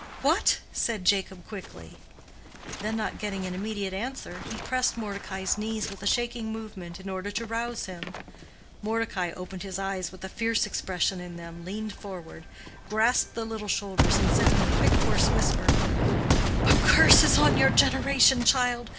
"What?" said Jacob, quickly. Then, not getting an immediate answer, he pressed Mordecai's knees with a shaking movement, in order to rouse him. Mordecai opened his eyes with a fierce expression in them, leaned forward, grasped the little shoulders, and said in a quick, hoarse whisper, "A curse is on your generation, child.